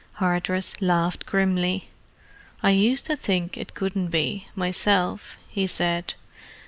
Hardress laughed grimly. "I used to think it couldn't be, myself," he said.